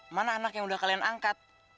mana anak yang udah kalian angkat